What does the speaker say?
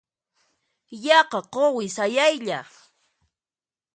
Yaqa quwi sayaylla.